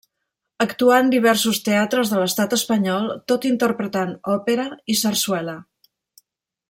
Actuà en diversos teatres de l'Estat espanyol tot interpretant òpera i sarsuela.